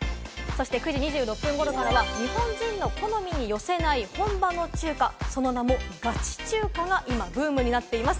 ９時２６分ごろからは日本人の好みに寄せない本場の中華、その名もガチ中華が今ブームになっています。